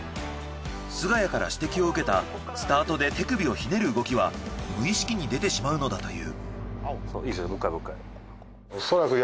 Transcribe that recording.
菅谷から指摘を受けたスタートで手首をひねる動きは無意識に出てしまうのだという。